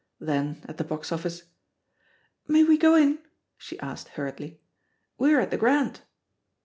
Then, at the box office^ "May we go in?'* she asked hurriedly; *Ve're at tlie Grand."